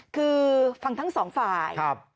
คือฟังทั้งสองฝ่าย